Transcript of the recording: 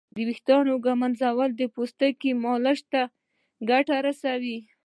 د ویښتانو ږمنځول د پوستکي مالش ته ګټه رسوي.